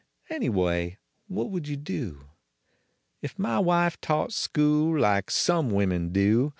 Anyway what would you do ? If my wife taught school like some women do.